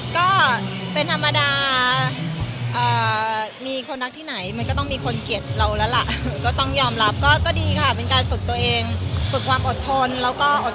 ก็เป็นธรรมดามีคนรักที่ไหนมันก็ต้องมีคนเกลียดเราแล้วล่ะก็ต้องยอมรับก็ดีค่ะเป็นการฝึกตัวเองฝึกความอดทนแล้วก็อด